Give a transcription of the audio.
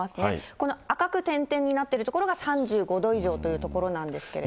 この赤く点々になっている所が３５度以上という所なんですけど。